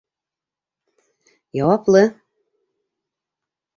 Яуаплы!